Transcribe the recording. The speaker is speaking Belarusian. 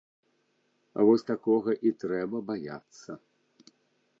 Вось такога і трэба баяцца.